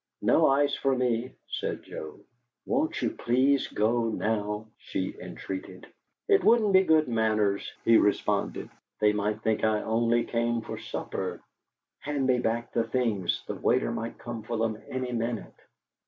"No ice for me," said Joe. "Won't you please go now?" she entreated! "It wouldn't be good manners," he responded. "They might think I only came for supper " "Hand me back the things. The waiter might come for them any minute."